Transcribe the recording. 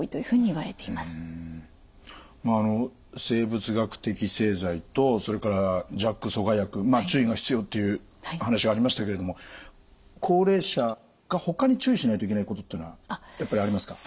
あの生物学的製剤とそれからＪＡＫ阻害薬注意が必要っていう話がありましたけれども高齢者がほかに注意しないといけないことっていうのはやっぱりありますか？